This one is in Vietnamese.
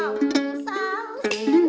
như xuân mẹ